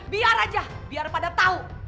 biar aja biar pada tahu